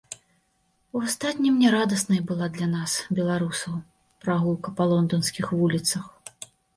У астатнім нярадаснай была для нас, беларусаў, прагулка па лонданскіх вуліцах.